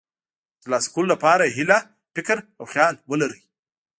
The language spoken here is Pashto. د ترلاسه کولو لپاره یې هیله، فکر او خیال ولرئ.